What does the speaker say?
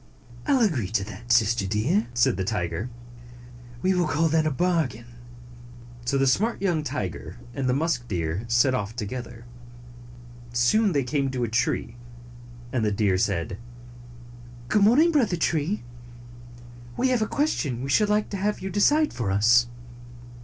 " I 'll agree to that, Sister Deer," said the tiger. "We will call that a bargain." So the smart young tiger and the musk deer set off together. Soon they came to a tree, and the deer said, "Good morning, Brother Tree. We have a ques tion we should like to have you decide for us."